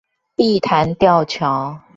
碧潭吊橋